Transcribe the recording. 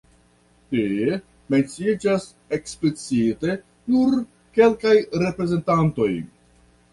Tie menciiĝas eksplicite nur kelkaj reprezentantoj.